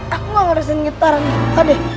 aku gak ngerasain getaran gempa deh